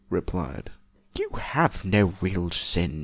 1 replied, " You have no real sin.